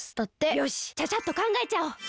よしちゃちゃっとかんがえちゃおう。